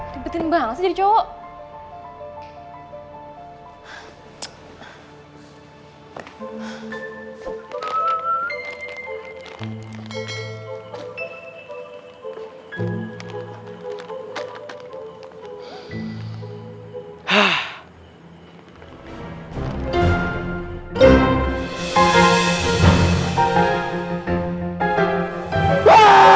dibetin banget sih jadi cowok